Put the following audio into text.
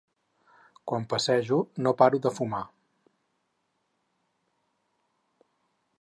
Quan passejo no paro de fumar.